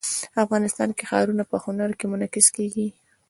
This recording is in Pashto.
افغانستان کې ښارونه په هنر کې منعکس کېږي.